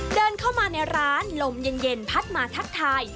เดินเข้ามาในร้านลมเย็นพัดมาทักทาย